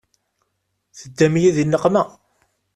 Teddam-iyi di nneqma.